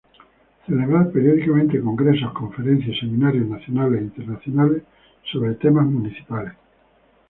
Celebrar periódicamente congresos, conferencias y seminarios nacionales e internacionales sobre temas municipales.